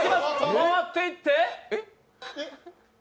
回っていって？